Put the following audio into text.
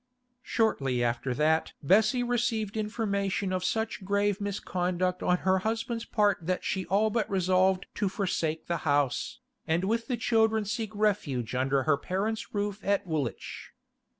Shortly after that Bessie received information of such grave misconduct on her husband's part that she all but resolved to forsake the house, and with the children seek refuge under her parents' roof at Woolwich.